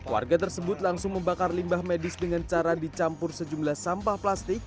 warga tersebut langsung membakar limbah medis dengan cara dicampur sejumlah sampah plastik